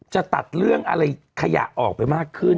จะตัดเรื่องอะไรขยะออกไปมากขึ้น